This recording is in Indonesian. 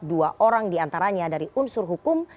dua orang diantaranya dari unsur hukum